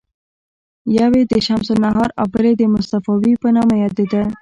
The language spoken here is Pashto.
یوه یې د شمس النهار او بله یې د مصطفاوي په نامه یادیده.